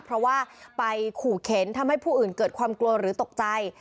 เพราะว่าไปขู่เข็นทำให้ผู้อื่นเกิดความกลัวหรือตกใจ